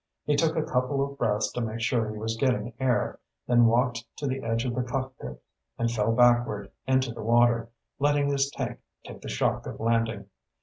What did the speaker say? He took a couple of breaths to make sure he was getting air, then walked to the edge of the cockpit and fell backward into the water, letting his tank take the shock of landing.